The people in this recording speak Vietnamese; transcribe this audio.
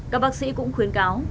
các bác sĩ cũng khuyến cáo